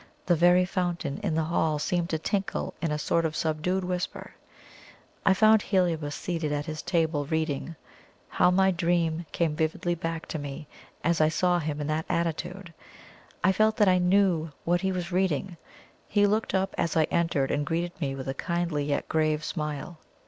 The very fountain in the hall seemed to tinkle in a sort of subdued whisper. I found Heliobas seated at his table, reading. How my dream came vividly back to me, as I saw him in that attitude! I felt that I knew what he was reading. He looked up as I entered, and greeted me with a kindly yet grave smile.